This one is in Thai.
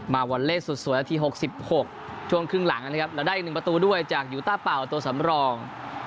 วันเลขสุดสวยนาที๖๖ช่วงครึ่งหลังนะครับเราได้อีก๑ประตูด้วยจากยูต้าเป่าตัวสำรอง